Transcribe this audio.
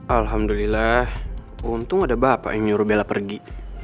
alhamdulillah untung ada bapak yang nyuruh bela pergi